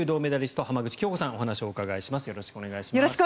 よろしくお願いします！